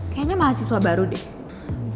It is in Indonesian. kayaknya mahasiswa baru deh